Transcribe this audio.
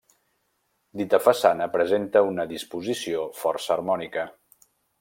Dita façana presenta una disposició força harmònica.